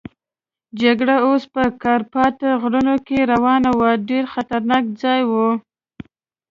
جګړه اوس په کارپات غرونو کې روانه وه، ډېر خطرناک ځای وو.